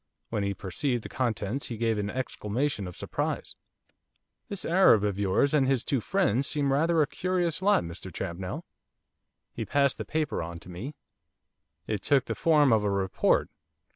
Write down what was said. When he perceived the contents he gave an exclamation of surprise. 'This Arab of yours, and his two friends, seem rather a curious lot, Mr Champnell.' He passed the paper on to me. It took the form of a report.